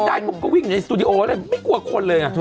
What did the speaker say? ไม่กลัวควรครึ่งใดก็วิ่งในตัวโดยไม่กลัวคนเลยนะ